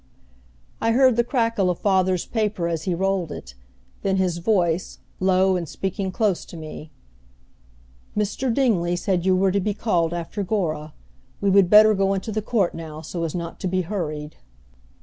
I heard the crackle of father's paper as he rolled it; then his voice, low and speaking close to me, "Mr. Dingley said you were to be called after Gora. We would better go into the court now, so as not to be hurried."